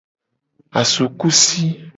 Asukusi.